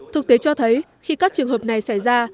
thực tế cho thấy khi các trường hợp này xảy ra